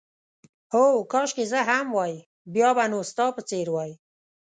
هو، کاشکې زه هم وای، بیا به نو ستا په څېر وای.